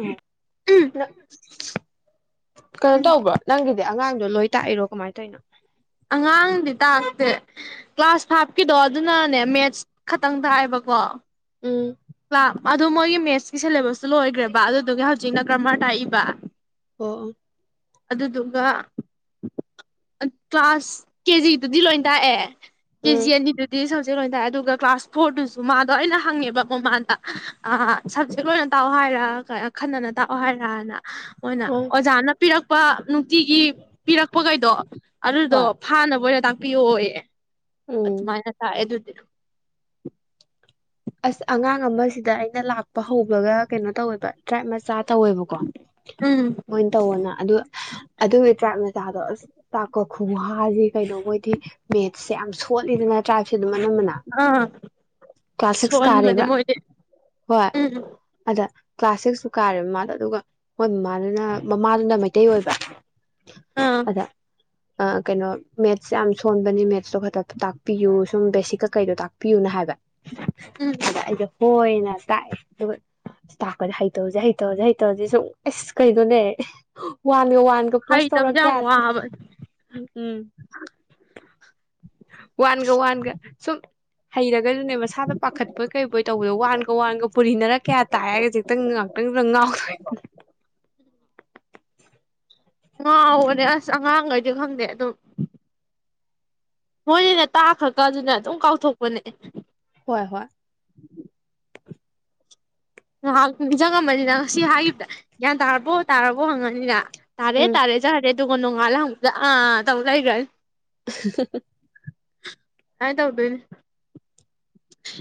ꯎ ꯪ ꯀꯩꯅꯣ ꯇꯧꯕ꯭ꯔꯣ ꯅꯪꯒꯤ ꯑꯗꯤ ꯑꯉꯥꯡꯗꯣ ꯂꯣꯏ ꯇꯥꯛꯏꯔꯣ ꯀꯃꯥꯏꯅ ꯇꯧꯅꯣ ꯑꯉꯥꯡꯗꯤ ꯇꯥꯛꯇꯦ ꯀ꯭ꯂꯥꯁ ꯐꯥꯏꯚꯀꯤꯗꯣ ꯑꯗꯨꯅꯅꯦ ꯃꯦꯠꯁ ꯈꯛꯇꯪ ꯇꯥꯛꯑꯕꯀꯣ ꯎꯝ ꯀ ꯑꯗꯨ ꯃꯣꯏꯒꯤ ꯃꯦꯠꯁꯀꯤ ꯁꯤꯂꯦꯕꯁꯇꯨ ꯂꯣꯏꯈ꯭ꯔꯦꯕ ꯑꯗꯨꯗꯨꯒꯤ ꯍꯧꯖꯤꯛꯅ ꯀ꯭ꯔꯃꯔ ꯇꯥꯛꯏꯕ ꯑꯣ ꯑꯗꯨꯗꯨꯒ ꯀ꯭ꯂꯥꯁ ꯀꯦꯖꯤꯗꯨꯗꯤ ꯂꯣꯏ ꯇꯥꯛꯑꯦ ꯑꯣ ꯎꯝ ꯀꯦꯖꯤ ꯌꯥꯅꯤꯗꯨꯗꯤ ꯁ ꯁꯕꯖꯦꯛ ꯂꯣꯏ ꯇꯥꯛꯑꯦ ꯑꯗꯨꯒ ꯀ꯭ꯂꯥꯁ ꯐꯣꯔꯗꯨꯁꯨ ꯃꯥꯗꯣ ꯑꯩꯅ ꯍꯪꯉꯦꯕ ꯃꯃꯥꯗ ꯁꯞꯖꯦꯛ ꯂꯣꯏꯅ ꯇꯥꯛꯑꯣ ꯍꯥꯏꯔꯥ ꯈꯟꯅꯅ ꯇꯥꯛꯑꯣ ꯍꯥꯏꯔꯅ ꯍꯅ ꯑꯣꯖꯅ ꯄꯤꯔꯛꯄ ꯅꯨꯡꯇꯤꯒꯤ ꯄꯤꯔꯛꯄꯈꯩꯗꯣ ꯑꯗꯨꯗꯣ ꯍꯣꯏ ꯐꯥꯅꯕ ꯑꯣꯏꯅ ꯄ ꯑꯣꯏꯌꯦ ꯎꯝ ꯊꯨꯃꯥꯏꯅ ꯇ ꯌꯦꯗꯨꯗꯔꯣ ꯑꯁ ꯑꯉꯥꯡ ꯑꯃꯁꯤꯗ ꯑꯩꯅ ꯂꯥꯛꯄ ꯍꯧꯕꯒ ꯀꯩꯅꯣ ꯇꯧꯋꯦꯕ ꯇ꯭ꯔꯥꯏꯞ ꯃꯆꯥ ꯇꯧꯋꯦꯕꯀꯣ꯫ ꯎꯝ ꯌꫭꯏꯅ ꯇꯧꯑꯣꯅ ꯑꯗꯨ ꯑꯗꯨꯒꯤ ꯇ꯭ꯔꯥꯏꯞ꯫ ꯃꯥꯗꫭ ꯑꯥꯁ ꯇꯥꯛꯄ ꯈꯨꯋꯥꯁꯤ꯫ ꯀꯩꯅꯣ ꯃꯣꯏꯗꯤ ꯃꯦꯠ꯫ ꯁꯦ ꯌꯥꯝ ꯁꯣꯠꯂꯤꯗꯅ ꯇ꯭ꯔꯥꯏꯞ꯫ ꯁꯤ ꯑꯗꯨꯝ ꯑꯅꯝꯕꯅ꯫ ꯀ꯭ꯂꯥꯁ ꯁꯤꯛꯁ ꯁꯣꯟꯕꯅꯤ ꯀꯥꯔꯦꯕ ꯃꯣꯏꯗꯤ ꯎꯝ꯫ ꯗ ꯀ꯭ꯂꯥꯁ ꯁꯤꯛꯁꯁꯨ ꯀꯥꯔꯦꯕ ꯃꯥꯃꯗ ꯑꯗꯨꯒ ꯃꯣꯏ ꯃꯃꯥꯗꯨꯅ ꯃꯃꯥꯗꯨꯅ ꯃꯩꯇꯩ ꯑꯣꯏꯕ꯫ ꯑꯥ꯫ ꯑꯥ ꯀꯩꯅꯣ ꯃꯦꯠꯁ ꯌꯥꯝ ꯁꯣꯟꯕꯅꯤ ꯃꯦꯠꯁꯇꯣ ꯈꯛꯇ ꯇꯥꯛꯄꯤꯌꯨ ꯁꯨꯝ ꯕꯦꯁꯤꯛ ꯀꯩ ꯀꯩꯗꯣ ꯇꯥꯛꯄꯤꯌꯨꯅ ꯍꯥꯏꯕ꯫ ꯎꯝ ꯑꯗ ꯑꯩꯗꯨ ꯍꯣꯏꯅ꯫ ꯇꯥꯛꯑꯦ ꯑꯗꯨꯒ ꯇꯥꯛꯄꯁ‌ꯦ ꯍꯩꯇꯕꯁꯦ ꯍꯩꯇꯕꯁꯦ ꯍꯩꯇꯕꯁꯦ ꯁꯨꯝ ꯑꯁ ꯀꯩꯅꯣꯅꯦ꯫ ꯋꯥꯟꯒ ꯄ꯭ꯂꯁ ꯇꯧꯔ ꯍꯩꯇꯕꯁꯦ ꯌꯥꯝ ꯀꯌꯥ ꯋꯥꯕꯅꯦ ꯎꯝ꯫ ꯋꯥꯟꯒ ꯋꯥꯟꯒ ꯁꯨꯝ ꯍꯩꯔꯒꯁꯨꯅꯦ꯫ ꯏꯁꯥꯗ ꯄꯥꯈꯠꯄꯣꯏ ꯀꯩꯕꯣꯏ ꯇꯧꯕꯗꯣ ꯋꯥꯟꯒ ꯋꯥꯟꯒ ꯄꯨꯔꯤꯅꯔ ꯀꯌꯥ ꯇꯥꯏꯔꯁꯦꯛꯇꯪ ꯉꯥꯛꯇꯪꯪ ꯉꯥꯎꯗꫭꯏꯅꯤ꯫ ꯉꯥꯎꯕꯅ‌ꯦ ꯑꯁ ꯑꯉꯥꯡꯒꯩꯗꯤ ꯈꯪꯗꯦ ꯑꯗꯨꯝ꯫ ꯃꫭꯏꯗꯤꯅ‌ꯦ ꯇꯥꯛꯈꯔꯒ ꯑꯗꯨꯝ ꯀꯥꯎꯊꯣꯛꯄꯅꯦ꯫ ꯍꯣꯏ ꯍꯣꯏ꯫ ꯉꯥꯏꯍꯥꯛ ꯅꯤꯡꯁꯤꯡꯉꯝꯃꯅꯤꯅ ꯉꯁꯤ ꯍꯥꯏꯈꯤꯕꯗ ꯒ꯭ꯌꯥꯟ ꯇꯥꯔꯕꯣ ꯇꯥꯔꯕꯣ ꯍꯪꯉꯅꯤꯅ꯫ ꯇꯔꯦ ꯎꯝ ꯇꯔꯦ ꯆꯠꯈꯅꯤ꯫ ꯑꯗꯨꯒ ꯅꯣꯡꯉꯥꯜꯂ ꯍꯪꯕꯗ ꯑꯥ ꯇꯧꯔ ꯂꯩꯒ꯭ꯔꯥꯅꯤ꯫ ꯑꯍꯥ ꯍꯥ ꯍꯥ ꯃꯥꯟ ꯇꯧꯗꯣꯏꯅꯤ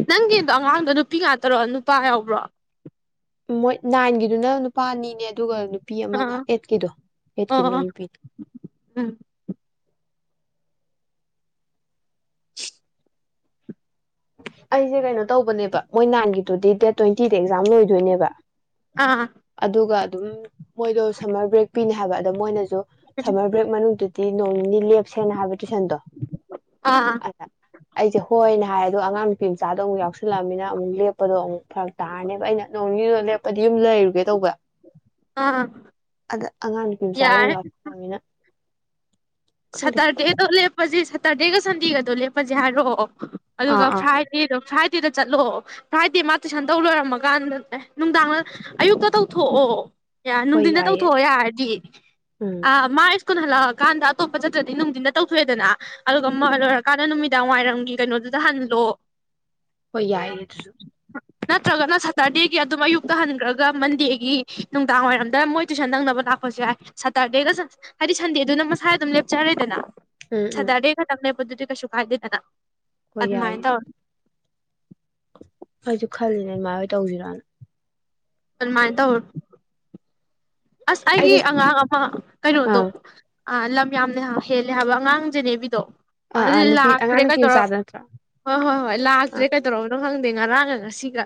ꯅꯪꯒꯤꯗꯣ ꯑꯉꯥꯡꯗꯣ ꯅꯨꯄꯤ ꯉꯥꯛꯇꯔꯣ ꯅꯨꯄꯥ ꯌꯥꯎꯕ꯭ꯔꯣ꯫ ꯃꯣꯏ ꯅꯥꯏꯟꯒꯤꯗꯨꯅ ꯅꯨꯄꯥ ꯑꯅꯤꯅꯦ ꯑꯗꯨꯒ꯫ ꯅꯨꯄꯤ ꯑꯃꯒ ꯑꯥ ꯑꯦꯠꯀꯤꯗꯣ ꯑꯦꯠꯀꯤꯗꯨꯅ ꯑꯣ ꯅꯨꯄꯤꯅ꯫ ꯎꯝ ꯑꯩꯁꯦ ꯀꯩꯅꯣ ꯇꯧꯕꯅꯦꯕ ꯃꯣꯏ ꯅꯥꯟꯒꯤꯗꯨꯗꯤ ꯗꯦꯠ ꯇ꯭ꯋꯦꯟꯇꯤꯗ ꯑꯦꯛꯖꯥꯝ ꯂꯣꯏꯗꯣꯏꯅꯦꯕ꯫ ꯑꯥ ꯑꯗꯨꯒ꯫ ꯑꯗꯨꯝ ꯃꯣꯏꯗꯣ ꯁꯝꯃꯔ ꯕ꯭ꯔꯦꯛ ꯄꯤꯅꯦ ꯍꯥꯏꯕ ꯑꯗ ꯃꯣꯏꯅꯁꯨ꯫ ꯁꯃꯔ ꯕ꯭ꯔ‌ꯦꯛ ꯃꯅꯨꯡ꯫ ꯅꯣꯡꯅꯤꯅꯤ꯫ ꯂꯦꯞꯁꯦꯅ ꯍꯥꯏꯕ ꯇꯨꯁꯟꯗꯣ ꯑꯥ ꯑꯗ꯫ ꯑꯩꯁꯦ ꯍꯣꯏꯅꯦ ꯍꯥꯏꯔ‌ꯦ ꯑꯗꯨ꯫ ꯑꯗꯣ ꯑꯉꯥꯡ ꯅꯨꯄꯤ ꯃꯆꯥꯗꯣ ꯑꯃꯨꯛ ꯌꯥꯎꯁꯜꯂꯑꯃꯤꯅ ꯑꯃꯨꯛ ꯂꯦꯞꯄꯗꯣ ꯑꯃꯛ ꯐꯔꯛ ꯇꯥꯔꯅꯦꯕ ꯑꯩꯅ ꯅꯣꯡ ꯅꯤꯅꯤꯗꯨ ꯂꯦꯞꯄꯗꯤ ꯌꯨꯝ ꯂꯩꯔꯨꯒꯦ ꯇꯧꯕ꯫ ꯑꯥ ꯑꯗ ꯑꯉꯥꯡ ꯅꯨꯄꯤ ꯃꯆꯥꯗꯧ ꯌꯥꯔꯦ ꯑꯃꫭꯛ ꯌꯥꯎꯁꯤꯜꯂꯝꯅꯤꯅ꯫ ꯁꯇꯔꯗ‌ꯦ ꯗꫭ ꯂ‌ꯦꯞ꯫ ꯂꯦꯄꯁꯦ ꯁꯦꯇꯔꯗꯦꯒ ꯁꯟꯗꯦꯒꯗ ꯂꯦꯄꯁꯦ ꯍꯥꯏꯔꯛꯑꯣ ꯑꯥ ꯑꯗꯨꯒ ꯑꯥ ꯐ꯭ꯔꯥꯏꯗꯦꯗꯣ ꯐ꯭ꯔꯥꯏ ꯗꯦꯗ ꯆꯠꯂꯣ ꯐ꯭ꯔꯥꯏꯗꯦ ꯃꯥ ꯇꯨꯏꯁꯟ ꯇꯧ ꯂꯣꯏꯔꯝꯃꯀꯥꯟꯗꯅꯦ ꯅꯨꯡꯗꯥꯡ ꯑꯌꯨꯛꯇ ꯇꯧꯊꯣꯛꯑꯣ ꯌꯥ ꯍꯣꯏ ꯅꯨꯡꯊꯤꯟꯗ ꯌꯥꯏꯌꯦ ꯇꯧꯊꯣꯛꯑꯣ ꯌꯥꯔꯗꯤ ꯎꯝ ꯑꯥ ꯃꯥ ꯂꯒꯥꯟꯗ ꯑꯇꯣꯞꯄ ꯆꯠꯇ꯭ꯔꯗꯤ ꯅꯨꯡꯊꯤꯟꯗ ꯇꯧꯊꯣꯛꯑꯦꯗꯅ ꯑꯗꯨꯒ ꯑꯃ ꯂꯣꯏꯔꯀꯥꯟꯗ ꯅꯨꯃꯤꯗꯥꯡ ꯋꯥꯏꯔꯝꯒꯤ ꯀꯩꯅꯣꯗꯨꯗ ꯍꯜꯂꯣ ꯍꯣꯏ ꯌꯥꯏꯌꯦ ꯑꯗꯨꯁꯨ ꯅꯠꯇ꯭ꯔꯒꯅ ꯁꯇꯥꯔꯗꯤ ꯑꯗꯨꯝ ꯑꯌꯨꯛꯇ ꯍꯟꯈ꯭ꯔꯒ ꯃꯟꯗꯦꯒꯤ ꯅꯨꯡꯗꯥꯡ ꯋꯥꯏꯔꯝꯗ ꯃꯣꯏ ꯇꯨꯏꯁꯟ ꯅꯪꯅꯕ ꯂꯥꯛꯄꯁꯨ ꯌꯥꯏ ꯁꯇꯔꯗꯦꯗ ꯍꯥꯏꯗꯤ ꯁꯟꯗꯦꯗꯨꯅ ꯃꯁꯥ ꯂꯦꯞ ꯆꯔꯦꯗꯅ ꯎꯝ ꯑ ꯎꯝ ꯗꯗꯥꯔ ꯈꯅꯦ ꯄꯤ ꯀꯁꯨꯨꯀꯥꯏꯗꯗꯅ ꯍꯣꯏ ꯑꯗꯃꯥꯏ ꯌꯥꯏꯌꯦ ꯇ ꯑꯩꯁꯨ ꯈꯜꯂꯤꯅꯦ ꯏꯃꯥ ꯍꯣꯏ ꯇꯧꯁꯤꯔꯣꯅ ꯐꯃꯥꯏꯗ ꯍ ꯑꯁ ꯑꯩꯒꯤ ꯑꯩꯁꯦ ꯑꯉꯥꯡ ꯑꯃ ꯀꯩꯅꯣꯗꯣ ꯑꯥ ꯑꯥ ꯂꯝ ꯌꯥꯝꯅ ꯍꯦꯜꯂꯦ ꯍꯥꯏꯕ ꯑꯉꯥꯡ ꯖꯦꯅꯦꯕꯤꯗꯣ ꯑꯥ ꯑꯥ ꯑꯗꯨꯂ ꯅꯨꯄꯤ ꯑꯉꯥꯡ ꯍꯥꯗ꯭ꯔꯦ ꯀ ꯅꯨꯄꯤ ꯇꯔ ꯃꯆꯥꯗꯣ ꯅꯠꯇ꯭ꯔꯣ ꯍꯣꯏ ꯍꯣꯏ ꯍꯣꯏ ꯏꯂ ꯑꯥ ꯍꯥꯥꯛꯇ꯭ꯔꯦ ꯀ ꯇꯣꯔꯣ ꯈꯪꯗꯦ ꯉꯔꯥꯡꯒ ꯉꯁꯤꯒ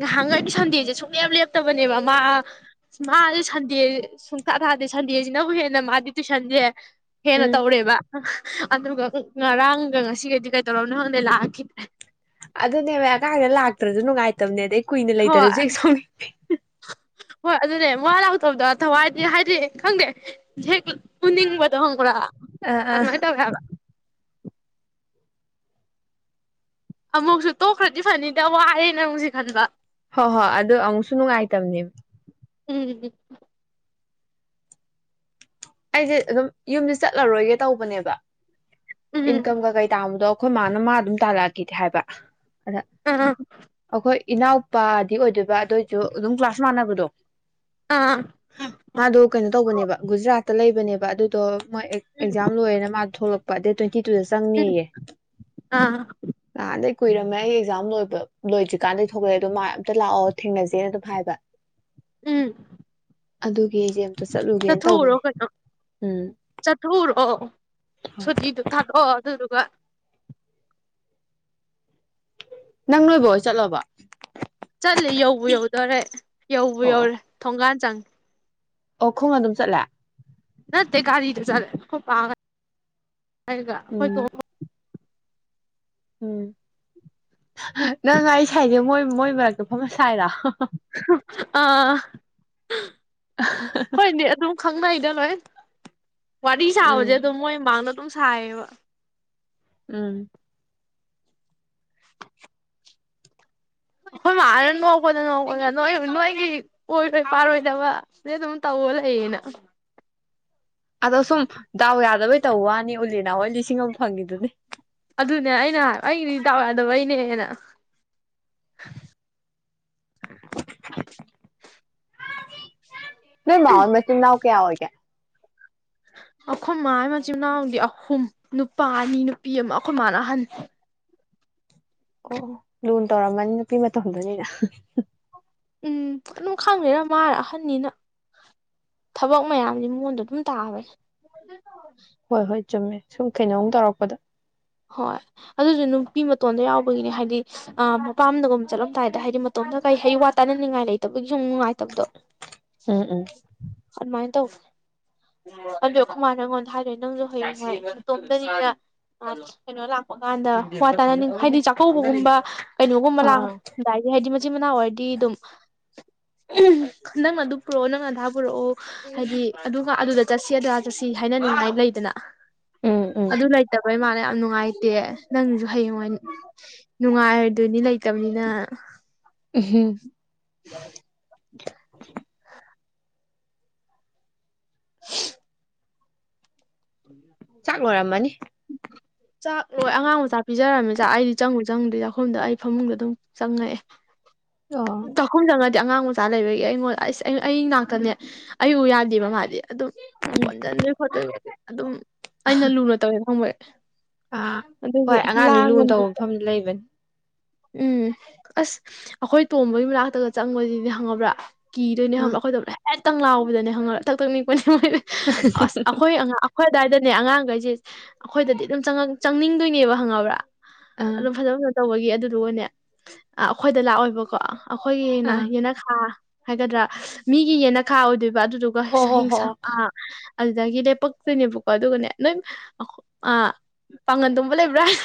ꯉꯍꯥꯟꯒ ꯁꯟꯗꯦꯁꯦ ꯁꯨꯡꯂꯦ ꯌꯥꯝ ꯂꯦꯞꯄ ꯇꯕꯅꯦꯕ ꯃꯥ ꯃꯥꯗꯤ ꯁꯟꯗꯦ ꯁꯨꯡꯇ ꯊꯥꯗꯦ ꯁꯟꯗꯦꯁꯤꯅꯕꯨ ꯍꯦꯟꯅ ꯃꯥꯗꯤ ꯇꯨꯏꯁꯟꯁꯦ ꯍꯦꯅ ꯎꯝ ꯇꯧꯅꯦꯦꯕ ꯑꯗꯨꯒ ꯉꯔꯥꯡꯒ ꯉꯁꯤꯒꯗꯤ ꯀꯩꯗꯧꯔꯕꯝꯅꯣ ꯈꯪꯗꯩ ꯂꯥꯛꯑꯈꯤꯗ꯭ꯔꯦ ꯑꯗꯨꯅꯦꯕ ꯑꯉꯥꯡꯗ ꯂꯥꯛꯇ꯭ꯔꯁꯨ ꯅꯨꯡꯉꯥꯏꯇꯕꯅꯦ ꯑꯗꯩ ꯀꯨꯏꯅ ꯍꯣꯏ ꯂꯩꯇꯔꯁꯦ ꯁꯣꯝ ꯍꯣꯏ ꯑꯗꯨꯅꯦ ꯃꯥ ꯂꯥꯛꯇꯕꯗꯣ ꯊꯋꯥꯏꯗꯤ ꯍꯥꯏꯗꯤ ꯈꯪꯗꯦ ꯍꯦꯛ ꯎꯅꯤꯡꯕꯗꯣ ꯍꯪꯕ꯭ꯔꯥ ꯑꯥ ꯑꯗ ꯑꯥ ꯃ ꯇꯒ ꯍꯥꯏꯕ ꯑꯃꯨꯛꯁꯨ ꯇꯣꯛꯈ꯭ꯔꯗꯤ ꯐꯅꯤꯗ ꯋꯥꯔꯦ ꯅ ꯑꯃꯨꯛꯁ ꯈꯟꯕ ꯍꯣꯏ ꯍꯣꯏ ꯑꯗꯨ ꯑꯃꯨꯛꯁꯨ ꯅꯨꯡꯉꯥꯏꯇꯕꯅꯦꯕ ꯎꯝ ꯑꯩꯁꯦ ꯑꯗꯨꯝ ꯌꯨꯝꯁꯦ ꯆꯠꯂꯔꯣꯏꯒꯦ ꯇꯧꯕꯅꯦꯕ ꯎꯝ ꯏꯟꯀꯝꯒ ꯀꯩ ꯇꯥꯃꯨꯗꯣ ꯑꯩꯈꯣꯏ ꯃꯥꯅ ꯃꯥ ꯑꯗꯨꯝ ꯇꯥꯂꯛꯑꯦ ꯒꯤꯗꯤ ꯍꯥꯏꯕ ꯑꯗ ꯑꯥ ꯑꯩꯈꯣꯏ ꯏꯅꯥꯎꯄꯥꯗꯤ ꯑꯣꯏꯗꯣꯏꯕ ꯑꯗꯨꯑꯣꯏꯁꯨ ꯑꯗꯨꯝ ꯀ꯭ꯂꯥꯁ ꯃꯥꯟꯅꯕꯗꯣ ꯑꯥ ꯃꯥꯗꯣ ꯀꯩꯅꯣ ꯇꯧꯕꯅꯦꯕ ꯒꯨꯖꯔꯥꯠ ꯂꯩꯕꯅꯦꯕ ꯑꯗꯨꯗꯣ ꯃꯣꯏ ꯎꯝ ꯑꯦꯛꯖꯥꯝ ꯂꯣꯏꯔꯦꯅ ꯃꯥ ꯊꯣꯛꯂꯛꯄ ꯄꯗꯦ ꯇ ꯇꯣꯢꯟꯇꯤ ꯇꯨꯗ ꯎꯝ ꯆꯪꯅꯤꯌꯦ ꯑꯥ ꯅꯍꯥꯟꯗꯒ- ꯀꯨꯏꯔꯝꯃꯦ ꯑꯩ ꯑꯦꯛꯖꯥꯝ ꯂꯣꯏꯕ ꯂꯣꯏꯗ꯭ꯔꯤꯀꯥꯟꯗꯩ ꯊꯣꯛꯂꯦ ꯑ ꯑꯗꯨꯣ ꯃꯥ ꯑꯝꯇ ꯂꯥꯛꯑꯣ ꯊꯦꯡꯅꯁꯦꯅ ꯑꯗꯨꯝ ꯍꯥꯏꯕ ꯎꯝ ꯑꯗꯨꯒꯤ ꯑꯩꯁꯦ ꯑꯝꯇ ꯆꯠꯂꯨꯒꯦꯅ ꯇꯧꯕꯅꯦ ꯎꯝ ꯆꯠꯊꯨꯔꯣ ꯍꯣꯏ ꯁꯨꯇꯤꯗꯨ ꯊꯥꯗꯣꯛꯑꯣ ꯑꯗꯨ ꯑꯗꯨꯒ ꯅꯪ ꯂꯣꯏꯕꯣꯏ ꯒ ꯆꯠꯂꯣꯕ ꯆꯠ ꯔꯦ ꯌꯧꯕꯧ ꯌꯧꯗꯣꯔꯦ ꯌꯧꯕ ꯌꯧꯔꯦ ꯊꯣꯡꯒꯥꯟ ꯆꯪꯏ ꯑꯣꯈꯣꯡ ꯑꯗꯨꯝ ꯆꯠꯂꯦ ꯅꯠꯇꯦ ꯒꯥꯔꯤꯗ ꯆꯠꯔꯦ ꯈꯣꯏ ꯄꯥ ꯒ ꯍꯥꯏꯒ ꯑꯩꯈꯣꯏ ꯇꯣ ꯎꯝ ꯎꯝ ꯅꯪ ꯑꯩ ꯁꯥꯏ ꯅꯥ ꯃꯣꯏ ꯃꯔꯛꯇ ꯐꯝ ꯍꯟꯁꯦ ꯁꯥꯏꯔꯣ ꯑꯥ ꯑꯩꯈꯣꯏꯅꯗꯤ ꯑꯗꯨꯝ ꯈꯪꯅꯩꯗ ꯂꯣꯏ ꯋꯥꯔꯤ ꯎꯝ ꯁꯥꯕꯁꯦ ꯑꯗꯣ ꯃꯣꯏ ꯃꯥꯡꯅ ꯑꯗꯨꯝ ꯁꯥꯏꯌꯦꯕ ꯎꯝ ꯑꯩꯈꯣꯏ ꯃꯥꯅ ꯅꯣꯛꯄꯗ ꯅꯣꯛꯄ ꯅꯣꯏ ꯅꯣꯏꯒꯤ ꯑꯣꯏꯔꯣꯏ ꯄꯥꯔꯣꯏꯗꯕ ꯁꯤ ꯑꯗꯨꯝ ꯇꯧ ꯂꯩꯌꯦꯅ ꯑꯗꯣ ꯁꯨꯝ ꯗꯥꯎ ꯌꯥꯗꯕꯩ ꯇꯧ ꯋꯥꯅꯤ ꯎꯂꯦꯅꯥ ꯍꯣꯏ ꯂꯤꯁꯤꯡ ꯑꯃ ꯐꯪꯈꯤꯗꯨꯅꯦ ꯑꯗꯨꯅꯦ ꯑꯩꯅ ꯑꯩꯒꯤꯗꯤ ꯗꯥꯎ ꯌꯥꯗꯕꯩꯅꯦꯅ ꯅꯣꯏ ꯃꯥꯎꯏ ꯃꯆꯤꯟ ꯀꯌꯥ ꯑꯣꯏ ꯀꯌꯥ ꯑꯩꯈꯣꯏ ꯃꯥꯒꯤ ꯃꯆꯤꯟ ꯃꯅꯥꯎꯗꯤ ꯑꯍꯨꯝ ꯅꯨꯄꯥ ꯑꯅꯤ ꯅꯨꯄꯤ ꯑꯃ ꯑꯩꯈꯣꯏ ꯃꯥꯅ ꯑꯍꯟ ꯑꯣ ꯂꯨ ꯇꯧꯔꯝꯃꯅꯤ ꯅꯨꯄꯤ ꯃꯇꯝꯗꯨꯅꯤꯅ ꯎꯝ ꯑꯗꯨꯝ ꯈꯪꯗꯦꯗ ꯃꯥꯔ ꯑꯍꯟꯅꯤꯅ ꯊꯕꯛ ꯃꯌꯥꯝꯗꯤ ꯃꯉꯣꯟꯗ ꯑꯗꯨꯝ ꯇꯥꯕꯁꯤ ꯍꯣꯏ ꯍꯣꯏ ꯆꯨꯝꯃꯦ ꯁꯨꯝ ꯀꯩꯅꯣꯝ ꯇꯧꯔꯛꯄꯗꯣ ꯍꯣꯏ ꯑꯗꯨꯁꯨ ꯅꯨꯄꯤ ꯃꯇꯣꯟꯗ ꯌꯥꯎꯕꯒꯤꯅꯦ ꯍꯥꯏꯗꯤ ꯃꯄꯥꯝꯗꯒꯨꯝꯝ ꯆꯠꯂꯝꯗꯥꯏꯗ ꯍꯥꯏꯗꯤ ꯃꯇꯣꯝꯗ ꯀꯔꯤ ꯍꯩ ꯋꯥ ꯇꯥꯏꯅꯅꯤꯡꯉꯥꯏ ꯂꯩꯇꯕꯒꯤ ꯁꯨꯝ ꯅꯨꯡꯉꯥꯏꯇꯕꯗꯣ ꯎꯝ ꯎꯝ ꯑꯗꯨꯃꯥꯏꯅ ꯇꯧ ꯑꯗ ꯈꯨꯃꯥꯔ ꯅꯉꯣꯟꯗ ꯍꯥꯏꯔꯦ ꯅꯪꯁꯨ ꯍꯌꯦꯡꯉꯥꯏ ꯑꯇꯣꯝꯇꯅꯤꯅ ꯑ ꯀꯩꯅꯣ ꯂꯥꯛꯄ ꯀꯥꯟꯗ ꯋꯥ ꯇꯥꯅꯅꯤꯡ ꯍꯥꯏꯗꯤ ꯆꯥꯛꯀꯧꯕꯒꯨꯝꯕ ꯀꯩꯅꯣꯒꯨꯝꯕ ꯑꯥ ꯑꯥ ꯂꯥꯛꯑꯝꯗꯥꯏꯗꯤ ꯍꯥꯏꯗꯤ ꯃꯆꯤꯟ ꯃꯅꯥꯎ ꯑꯣꯏꯔꯗꯤ ꯑꯗꯨꯝ ꯅꯪ ꯑꯗꯨ ꯄꯨꯔꯛꯑꯣ ꯅꯪ ꯑꯙꯥ ꯄꯨꯔꯛꯑꯣ ꯍꯥꯏꯗꯤ ꯑꯗꯨꯒ ꯑꯗꯨꯗ ꯆꯠꯁꯤ ꯑꯗꯨꯗꯥ ꯆꯠꯁꯤ ꯍꯥꯏꯅꯅꯤꯡꯉꯥꯏ ꯂꯩꯗꯅ ꯎꯝ ꯎꯝ ꯑꯗꯨ ꯂꯩꯇꯕ- ꯌꯥꯝ ꯅꯨꯡꯉꯥꯏꯇꯦ ꯅꯪꯁꯨ ꯍꯌꯦꯡ ꯅꯨꯡꯉꯥꯏꯔꯗꯣꯏꯅꯤ ꯂꯩꯇꯕꯅꯤꯅ ꯍꯝ [unintelligible] [unintelligible] ꯆꯥꯛ ꯂꯣꯏꯔꯝꯃꯅꯤ ꯆꯥꯛ ꯂꯣꯏ ꯑꯉꯥꯡ ꯃꯆꯥ ꯄꯤꯖꯔꯝꯃꯦ ꯆꯥꯛ ꯑꯩꯗꯤ ꯆꯪꯉꯨ ꯆꯪꯉꯨꯗꯗꯤ ꯆꯥꯛꯈꯣꯗ ꯑꯩ ꯐꯃꯨꯡꯗ ꯑꯗꯨꯝ ꯆꯪꯉꯛꯑꯦ ꯑꯣ ꯇꯈ ꯆꯉꯥꯏ ꯑꯉꯥꯡ ꯃꯆꯥ ꯂꯩꯕꯒꯤ ꯑꯩꯉꯣꯟꯗ ꯑꯁ ꯑꯩ ꯉꯥꯛꯇꯅꯦ ꯑꯩꯌ ꯎ ꯌꯥꯗꯦꯕ ꯃꯥꯗꯤ ꯑꯗꯨꯝ ꯎꯝ ꯀꯣꯟ ꯆꯥꯟꯗ ꯐꯠꯇ ꯑꯗꯨꯝ ꯑꯩꯅ ꯂꯨꯅ ꯇꯧꯋꯦꯗ ꯍꯣꯏnn ꯑꯥ ꯍꯣꯏ ꯑꯉꯥꯡꯗꯤ ꯂꯨꯅ ꯇꯧꯕ ꯃꯐꯝꯗ ꯂꯩꯕꯅꯤ [unintelligible] ꯀꯤꯔꯣꯏꯅꯦ ꯍꯕ ꯑꯥ ꯑꯩꯈꯣꯏꯗꯧꯕ ꯈꯤꯇ ꯂꯥꯎꯕꯅꯦ ꯍꯪꯉꯒ ꯊꯛ ꯊꯛꯅꯤꯛꯄꯅꯤ ꯑꯁ ꯑꯩꯈꯣꯏ ꯑꯩꯈꯣꯏ ꯑꯗꯨꯋꯥꯏꯗ ꯅ ꯑꯉꯥꯡꯈꯩꯁꯦ ꯑꯩꯈꯣꯏꯗꯗꯤ ꯑꯗꯨꯝ ꯆꯪꯅꯤꯡꯗꯣꯏꯅꯦꯕ ꯍꯪꯉꯕ꯭ꯔꯥ ꯑꯥ ꯑꯣ ꯐꯖ ꯇꯧꯕꯒꯤ ꯑꯗꯨꯗꯨꯅꯦ ꯑꯩꯈꯣꯏꯗ ꯂꯥꯛꯑꯣꯏꯕꯀꯣ ꯑꯩꯈꯣꯏꯒꯤꯅ ꯑꯥ ꯌꯦꯅꯈꯥ ꯍꯥꯏꯒꯗ꯭ꯔꯥ ꯃꯤꯒꯤ ꯌꯦꯟꯅ ꯈꯥꯛꯎꯗꯣꯏ ꯕ ꯑꯗꯨꯗꯨꯒ ꯍꯣ ꯁ ꯍꯣ ꯍꯣ ꯍꯤꯡꯁꯥ ꯑꯗꯨꯗꯒꯤꯅꯦ ꯄꯛꯛꯇꯅꯦꯕꯀꯣ ꯑꯗꯨꯒꯅꯦ ꯅꯣꯏ ꯑ ꯑ ꯄꯥꯒꯟ ꯇꯨꯝꯕ ꯂꯩꯕ꯭ꯔꯥ ꯍꯥꯏ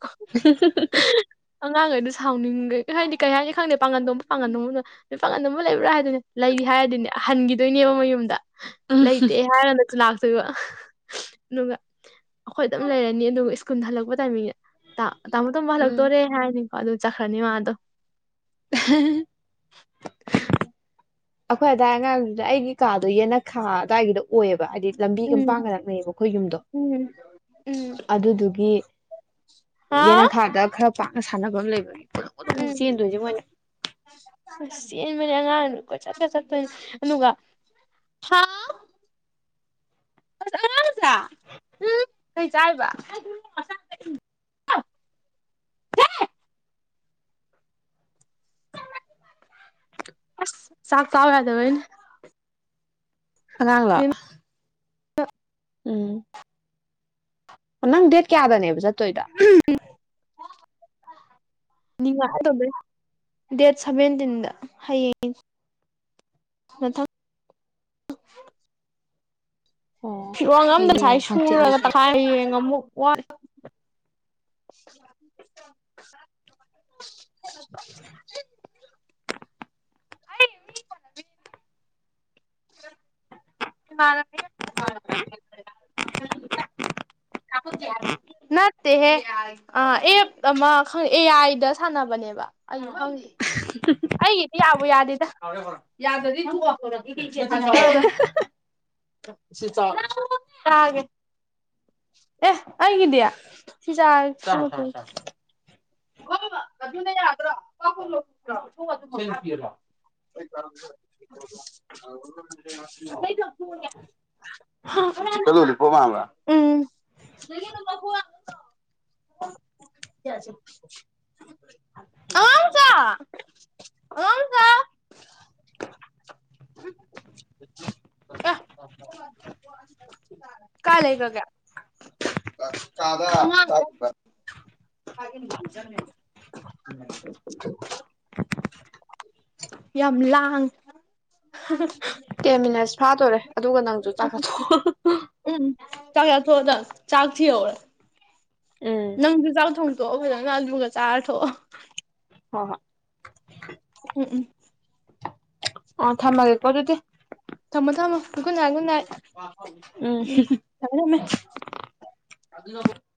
[unintelligible] ꯑꯉꯥꯡꯈꯩꯗ ꯁꯥꯎꯅꯤꯡꯈꯩ ꯍꯥꯏꯗꯤ ꯀꯩ ꯍꯥꯏꯅꯤ ꯈꯪꯗꯦ ꯄꯥꯡꯒꯟꯗꯣꯝ ꯄꯥꯡꯒꯟꯗꯣꯝꯕꯅꯣ ꯅꯣꯏ ꯄꯥꯒꯟꯗꯣꯝ ꯂꯩꯕ꯭ꯔꯥ ꯍꯥꯏꯗꯨꯅꯦ ꯂꯩꯔꯤ ꯍꯥꯏꯔꯗꯤꯅꯦ ꯍꯟꯈꯤꯗꯣꯏꯅꯦꯕ ꯃꯌꯨꯝꯗ ꯎꯝ ꯂꯩꯇꯦ ꯍꯥꯏꯔ ꯆꯅꯥꯥꯛꯇꯣꯏꯕ ꯅꯅꯨꯡꯒ ꯑꯩꯈꯣꯏ ꯑꯗꯨꯝ ꯂꯩꯔꯅꯤ ꯑꯗꯨꯒ ꯁ꯭ꯀꯨꯜ ꯍꯜꯂꯛꯄ ꯇꯥꯏꯃꯤꯡꯗ ꯇꯥꯃꯣ ꯊꯜ ꯎꯝ ꯇꯣꯔꯦ ꯍꯥꯏꯅꯤ ꯑꯗꯨ ꯆꯠꯈ꯭ꯔꯅꯤ ꯃꯥꯗꯣ [unintelligible] ꯑꯩꯈꯣꯏ ꯑꯗꯥꯏ ꯑꯉꯥꯡꯗ ꯑꯩꯒꯤ ꯀꯥꯗꯣ ꯌꯦꯟꯅꯈꯥ ꯑꯋꯥꯏꯗꯣ ꯑꯣꯏꯑꯕ ꯍꯥꯏꯗꯤ ꯂꯝꯕꯤꯒ ꯎꯝ ꯄꯥꯡꯒ ꯅꯛꯅꯩꯌꯦꯕ ꯑꯩꯈꯣꯏ ꯌꯨꯝꯗꯣ ꯎꯝ ꯎꯝ ꯑꯗꯨꯗꯨ ꯍ ꯌꯦꯅ ꯍꯥꯎ ꯈꯥꯗ ꯈꯔ ꯄꯥꯛꯅ ꯁꯥꯟꯅꯕꯝꯂꯩ [unintelligible] ꯎꯝ ꯆꯦꯟꯗꯣꯏꯅꯦ ꯃꯣꯏꯅ ꯃꯣꯏꯗꯤ ꯑꯉꯥꯡꯅꯤ ꯀꯣꯏꯆꯠꯀ ꯆꯠꯇꯣꯏꯅꯤ ꯑꯗꯨꯒ [unintelligible] ꯀꯩ ꯆꯥꯏꯕ ꯑꯁ ꯆꯥꯛ ꯆꯥꯎ ꯌꯥꯗꯕꯩꯅꯤ ꯑꯉꯥꯡꯂꯣ ꯎꯝ ꯑꯣ ꯅꯪ ꯗꯦꯠ ꯀꯌꯥꯗꯅꯦꯕ ꯇꯣꯏꯗ ꯅꯤꯡꯉꯥꯏ ꯇꯧꯗꯣꯏ ꯗꯦꯠ ꯁꯚꯦꯟꯇꯤꯟꯗ ꯍꯌꯦꯡ ꯃꯊꯪ ꯑꯣ ꯐꯤꯔꯣꯟ ꯑꯃꯝꯗ ꯉꯁꯥꯏ ꯍꯌꯦꯡ ꯁꯨꯔꯒ ꯍꯥꯡꯆꯤꯠꯅꯤꯅꯦ ꯇꯪꯈꯥꯏ ꯍꯌꯦꯡ ꯑꯃꯨꯛ ꯋꯥ [unintelligible] [unintelligible] [unintelligible] [unintelligible] [unintelligible] [unintelligible] ꯎꯝ ꯅꯠꯇꯦꯍꯦ ꯑꯦꯞ ꯑꯃ ꯑꯦ ꯑꯥꯏꯗ ꯁꯥꯟꯅꯕꯅꯦꯕ ꯑꯩꯒꯤꯗꯤ ꯌꯥꯗꯦꯗ [unintelligible] ꯑꯦ ꯑꯩꯒꯤꯗꯤ ꯁꯤ [unintelligible] [unintelligible] ꯑꯉꯥꯡꯃꯆꯥ ꯑꯉꯥꯡꯃꯆꯥ [unintelligible] ꯀꯥꯏ ꯂꯩꯒ꯭ꯔꯒꯦ [unintelligible] ꯌꯥꯝ ꯂꯥꯡ ꯇꯦꯟ ꯃꯤꯟꯅꯁ ꯐꯥꯗꯣꯔꯦ ꯑꯗꯨꯒ ꯅꯪꯁꯨ ꯆꯥꯛ ꯆꯥꯊꯣꯛ ꯎꯝ ꯆꯥꯛ ꯆꯥꯊꯣꯛꯑꯣ ꯆꯥꯥꯛ ꯊꯤꯍꯧ ꯎꯝ ꯅꯪꯁꯨ ꯆꯥꯛ ꯊꯣꯡꯇꯣꯛꯑꯣ ꯐꯖꯅ ꯑꯗꯨꯒ ꯆꯥꯔ ꯊꯣꯛꯑꯣ ꯍꯣꯍꯣꯏ ꯎꯝ ꯎꯝ ꯑ ꯊꯝꯃꯒꯦ ꯀꯣ ꯑꯗꯨꯗꯤ ꯊꯝꯃꯣ ꯊꯞꯃꯣ ꯒꯨꯠ ꯅꯥꯏꯠ ꯒꯨꯗ ꯅꯥꯏꯠ ꯎꯝ ꯊꯝꯃꯦ ꯊꯝꯃꯦ [unintelligible]